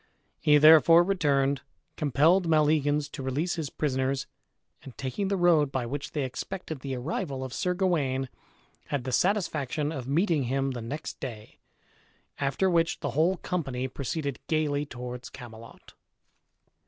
He therefore returned, compelled Maleagans to release his prisoners, and, taking the road by which they expected the arrival of Sir Gawain, had the satisfaction of meeting him the next day; after which the whole company proceeded gayly towards Camelot.